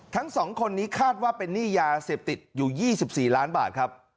ทั้ง๒คนนี้คาดว่าเป็นหนี้ยาเสพติดอยู่๒๔ล้านบาทครับ